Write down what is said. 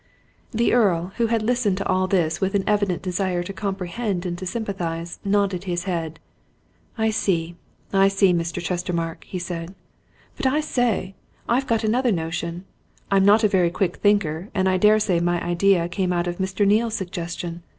The Earl, who had listened to all this with an evident desire to comprehend and to sympathize, nodded his head. "I see I see, Mr. Chestermarke," he said. "But I say! I've got another notion I'm not a very quick thinker, and I daresay my idea came out of Mr. Neale's suggestion.